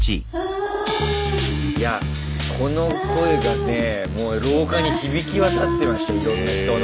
いやこの声がねもう廊下に響き渡ってましたいろんな人の。